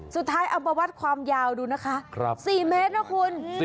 เอามาวัดความยาวดูนะคะ๔เมตรนะคุณ